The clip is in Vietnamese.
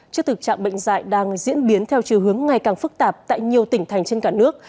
trước thực trạng bệnh dạy đang diễn biến theo chư hướng ngày càng phức tạp tại nhiều tỉnh thành trên cả nước